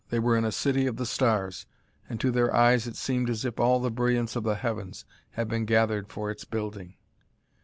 They were in a city of the stars, and to their eyes it seemed as if all the brilliance of the heavens had been gathered for its building.